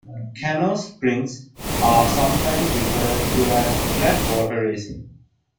Canoe sprints are sometimes referred to as flat water racing.